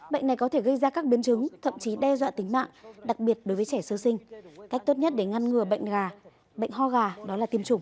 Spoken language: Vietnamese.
bệnh này có thể gây ra các biến chứng thậm chí đe dọa tính mạng đặc biệt đối với trẻ sơ sinh cách tốt nhất để ngăn ngừa bệnh gà bệnh ho gà đó là tiêm chủng